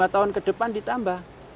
dua puluh lima tahun ke depan ditambah